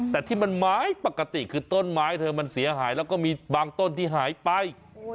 แต่ที่มันไม้ปกติคือต้นไม้เธอมันเสียหายแล้วก็มีบางต้นที่หายไป